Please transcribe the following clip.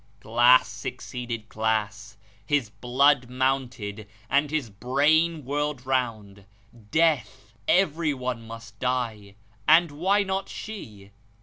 Glass succeeded glass. His blood mounted, and his brain whirled round. Death ! Everyone must die, and why not she.